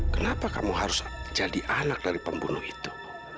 kenapa kamu harus jadi anak dari pembunuh itu